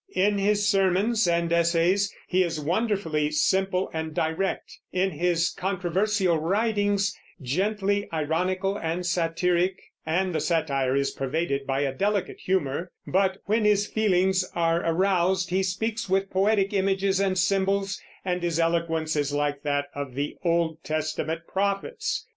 In his sermons and essays he is wonderfully simple and direct; in his controversial writings, gently ironical and satiric, and the satire is pervaded by a delicate humor; but when his feelings are aroused he speaks with poetic images and symbols, and his eloquence is like that of the Old Testament prophets.